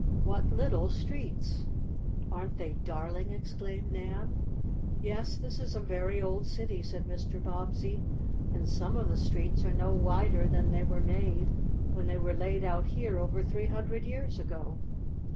"What little streets!" "Aren't they darling?" exclaimed Nan. "Yes, this is a very old city," said Mr. Bobbsey, "and some of the streets are no wider than they were made when they were laid out here over three hundred years ago."